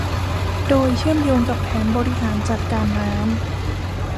โดยเชื่อมโยงกับแผนบริหารจัดการน้ำ